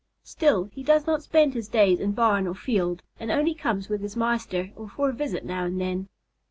Still, he does not spend his days in barn or field and only comes with his master or for a visit now and then.